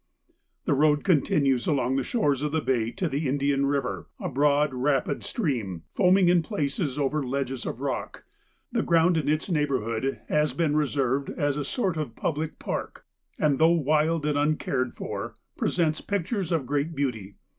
The road continues along the shores of the bay to the Indian River, a broad rapid stream, foaming in places over ledges of rock; the ground in its neighbourhood has been reserved as a sort of public park, and, though wild and uncared for, presents pictures of great beauty.